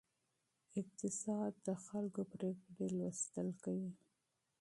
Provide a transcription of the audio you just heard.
اقتصاد د افرادو پریکړې مطالعه کوي.